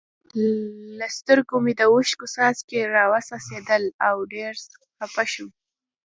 له سترګو مې د اوښکو څاڅکي را و څڅېدل او ډېر خپه شوم.